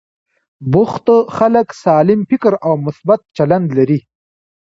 بوخت خلک سالم فکر او مثبت چلند لري.